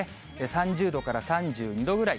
３０度から３２度ぐらい。